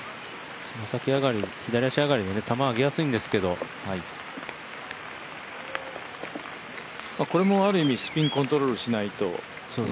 左足上がりの球は上げやすいんですけどこれもある意味スピンコントロールしないと。